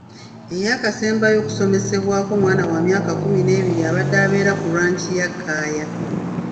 Eyakasembayo okusobezebwako mwana w'amyaka kkumi n'ebiri abadde abeera ku ranch ya Kaaya.